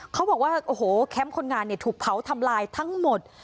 เขาบอกว่าแค้มคนงานถูกเผาทำลายทั้งหมด